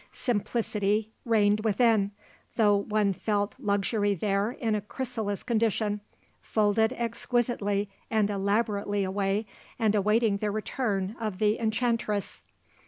Simplicity reigned within, though one felt luxury there in a chrysalis condition, folded exquisitely and elaborately away and waiting the return of the enchantress.